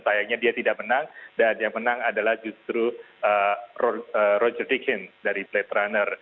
sayangnya dia tidak menang dan yang menang adalah justru roger dickens dari blade runner